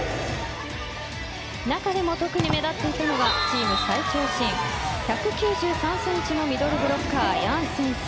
中でも特に目立っていたのがチーム最長身１９３ｃｍのミドルブロッカー、ヤンセンス。